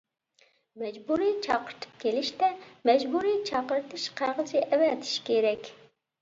مەجبۇرىي چاقىرتىپ كېلىشتە مەجبۇرىي چاقىرتىش قەغىزى ئەۋەتىش كېرەك.